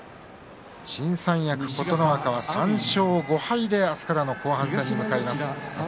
新三役の琴ノ若は３勝５敗で明日からの後半戦に向かいます。